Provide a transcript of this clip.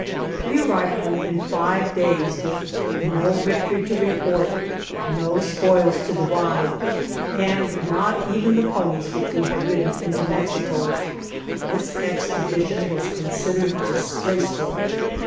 We arrived home in five days with no vic tory to report, no spoils to divide, and not even the ponies which we had ridden into Mexico. This expedition was considered disgraceful.